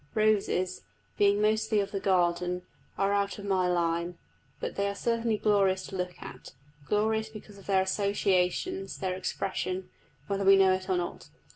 Roses, being mostly of the garden, are out of my line, but they are certainly glorious to look at glorious because of their associations, their expression, whether we know it or not.